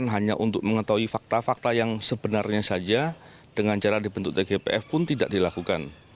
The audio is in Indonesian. hanya untuk mengetahui fakta fakta yang sebenarnya saja dengan cara dibentuk tgpf pun tidak dilakukan